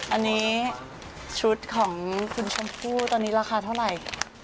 อันนี้ชุดของคุณชมพู่ตอนนี้ราคาเท่าไหร่